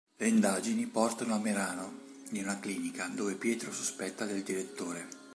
Le indagini portano a Merano in una clinica, dove Pietro sospetta del direttore.